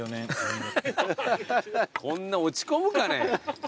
こんな落ち込むかね。